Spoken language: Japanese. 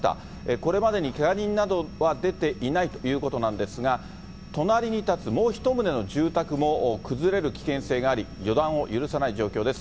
これまでにけが人などは出ていないということなんですが、隣に建つもう１棟の住宅も崩れる危険性があり、予断を許さない状況です。